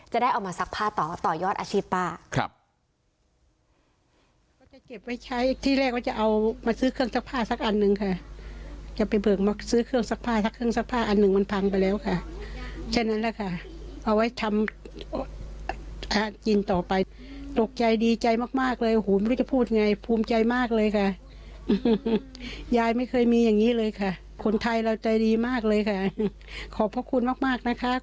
จะได้เอามาซักผ้าต่อต่อยอดอาชีพป้า